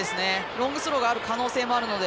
ロングスローがある可能性もあるので。